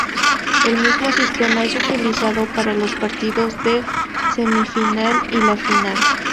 El mismo sistema es utilizado para los partidos de semifinal y la final.